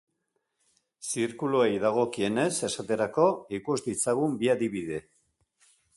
Zirkuluei dagokienez, esaterako, ikus ditzagun bi adibide.